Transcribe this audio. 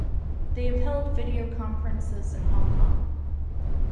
They have held video conferences in Hong Kong.